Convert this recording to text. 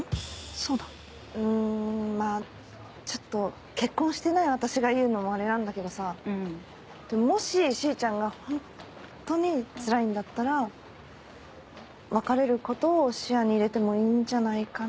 そうだんまぁちょっと結婚してない私が言うのもあれなんだけどさもししーちゃんがホンットにつらいんだったら別れることを視野に入れてもいいんじゃないかな。